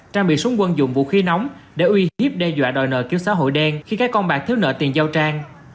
trang bị súng quân dụng vũ khí nóng để uy hiếp đe dọa đòi nợ cứu xã hội đen khi các con bạc thiếu nợ tiền giao trang